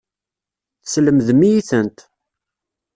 Teslemdem-iyi-tent.